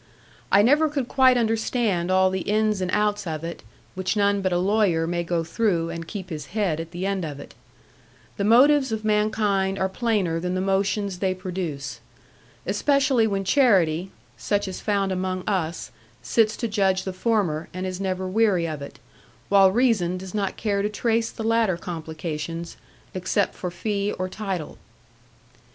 I never could quite understand all the ins and outs of it; which none but a lawyer may go through, and keep his head at the end of it. The motives of mankind are plainer than the motions they produce. Especially when charity (such as found among us) sits to judge the former, and is never weary of it; while reason does not care to trace the latter complications, except for fee or title.